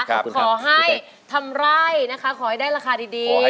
ขอให้ทำไร่นะคะขอให้ได้ราคาดี